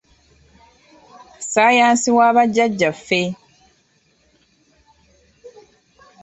Ssaayansi wa bajjaajjaffe !